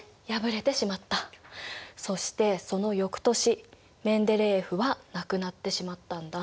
そしてその翌年メンデレーエフは亡くなってしまったんだ。